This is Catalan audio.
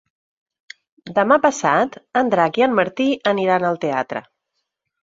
Demà passat en Drac i en Martí aniran al teatre.